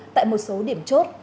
tại một số điểm chốt